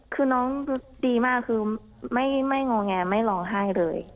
คือน้องดีมากคือไม่งอแงไม่ร้องไห้เลย